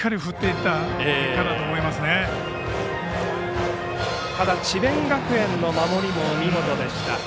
ただ智弁学園の守りも見事でした。